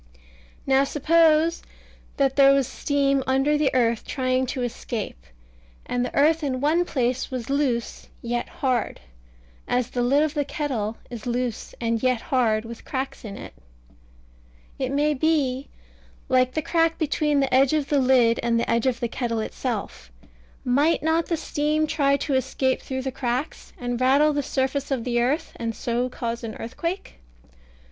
Now suppose that there was steam under the earth trying to escape, and the earth in one place was loose and yet hard, as the lid of the kettle is loose and yet hard, with cracks in it, it may be, like the crack between the edge of the lid and the edge of the kettle itself: might not the steam try to escape through the cracks, and rattle the surface of the earth, and so cause an earthquake?